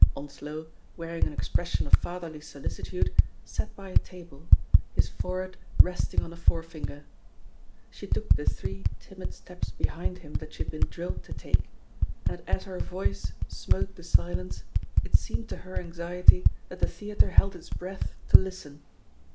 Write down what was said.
Onslow, wearing an expression of fatherly solicitude, sat by a table, his forehead resting on a forefinger. She took the three timid steps be hind him that she had been drilled to take, and as her voice smote the silence, it seemed to hei; anxiety that the theatre held its breath to listen.